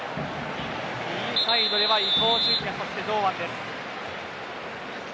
右サイドでは伊東純也そして堂安です。